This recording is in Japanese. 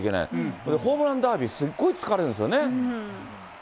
それでホームランダービー、すっごい疲れるんですよね。